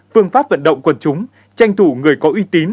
phương pháp vận động quần chúng tranh thủ người có uy tín